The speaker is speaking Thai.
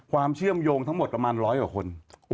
ความเชื่อมโยงทั้งหมดประมาณร้อยกว่าคน